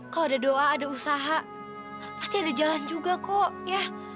kalau ada doa ada usaha pasti ada jalan juga kok ya